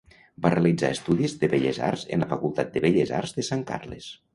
Va realitzar estudis de Belles arts en la Facultat de Belles arts de Sant Carles.